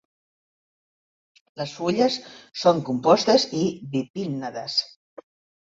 Les fulles són compostes i bipinnades.